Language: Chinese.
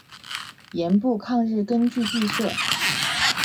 盐阜抗日根据地设。